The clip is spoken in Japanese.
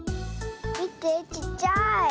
みてちっちゃい。